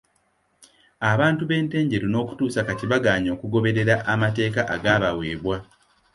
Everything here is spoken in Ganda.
Abantu b'e Ntenjeru n'okutuusa kati bagaanye okugoberera amateeka agaabaweebwa.